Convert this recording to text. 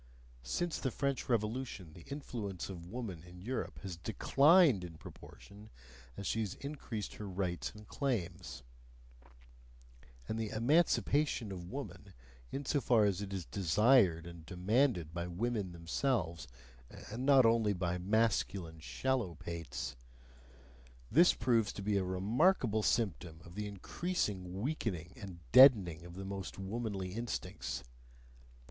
Since the French Revolution the influence of woman in Europe has DECLINED in proportion as she has increased her rights and claims; and the "emancipation of woman," insofar as it is desired and demanded by women themselves (and not only by masculine shallow pates), thus proves to be a remarkable symptom of the increased weakening and deadening of the most womanly instincts.